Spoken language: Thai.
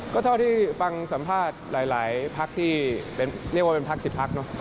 ก็เท่าที่ฟังสัมภาษณ์หลายพักที่เรียกว่าเป็นพัก๑๐พักเนอะ